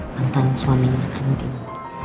mantan suaminya tini